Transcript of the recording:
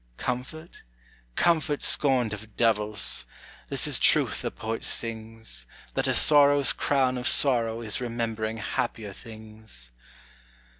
Comfort? comfort scorned of devils; this is truth the poet sings, That a sorrow's crown of sorrow is remembering happier things.